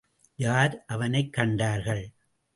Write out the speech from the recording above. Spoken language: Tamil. யார் அவனைக் கண்டார்கள்.